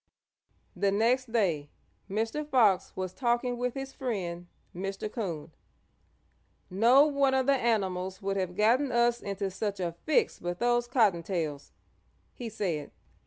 The next day Mr. Fox was talking with his friend, Mr. Coon. "No one of the animals would have gotten us into such a fix but those Cottontails," he said.